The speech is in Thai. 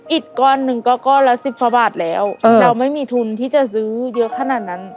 อีกก้อนหนึ่งก็ก้อนละสิบกว่าบาทแล้วเราไม่มีทุนที่จะซื้อเยอะขนาดนั้น